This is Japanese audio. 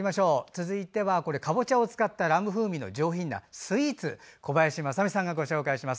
続いてはかぼちゃを使ったラム風味の上品なスイーツを小林まさみさんがご紹介します。